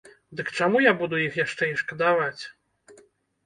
Дык чаму я буду іх яшчэ і шкадаваць?